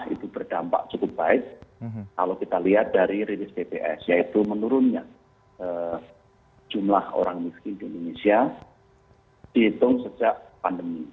itu berdampak cukup baik kalau kita lihat dari rilis bps yaitu menurunnya jumlah orang miskin di indonesia dihitung sejak pandemi